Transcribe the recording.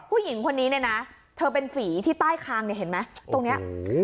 ผู้หญิงคนนี้เนี่ยนะเธอเป็นฝีที่ใต้คางเนี่ยเห็นไหมตรงนี้